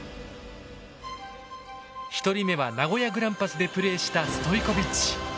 １人目は名古屋グランパスでプレーしたストイコビッチ。